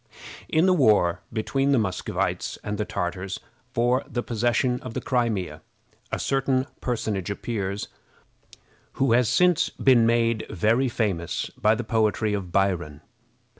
In the war between the Muscovites and the Tartars for the possession of the Crimea, a certain personage appeared, who has since been made very famous by the poetry of Byron.